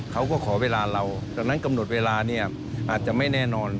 เขาก็ขอเวลาเราดังนั้นกำหนดเวลาเนี่ยอาจจะไม่แน่นอน